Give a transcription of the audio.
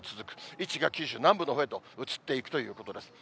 位置が九州南部のほうへと移っていくということです。